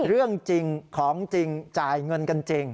เรื่องจริงของจริงจ่ายเงินกันจริง